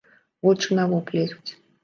Вочы на лоб лезуць.